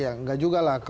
ya nggak juga lah